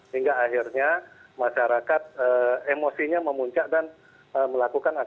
hingga akhirnya masyarakat emosinya memuncak dan melakukan aksinya